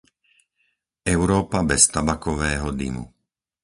Európa bez tabakového dymu.